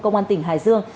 công an tỉnh hải dương